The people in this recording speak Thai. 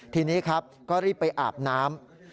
ทีนี้ครับก็รีบไปอาบน้ำ